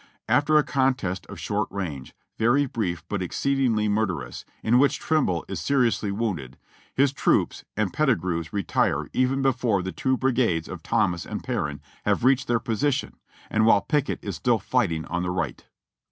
After a contest at short range, very brief but exceedingly murderous, in which Trimble is se riously wounded, his troops and Pettigrew's retire even before the two brigades of Thomas and Perrin have reached their position, and while Pickett is still fighting on the right."